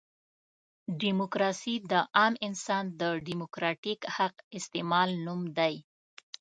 ډیموکراسي د عام انسان د ډیموکراتیک حق استعمال نوم دی.